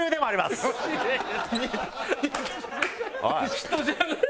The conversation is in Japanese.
人じゃない。